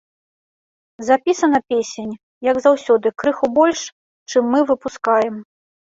Запісана песень, як заўсёды, крыху больш, чым мы выпускаем.